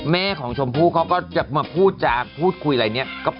แม่ของชมพู่เขาก็จะมาพูดจากพูดคุยอะไรเนี่ย